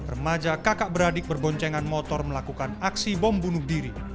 remaja kakak beradik berboncengan motor melakukan aksi bom bunuh diri